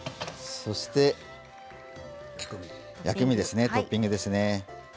そして薬味トッピングですね。